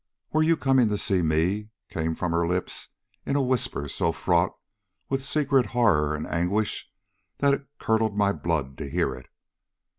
'Were you coming to see me?' came from her lips in a whisper so fraught with secret horror and anguish that it curdled my blood to hear it.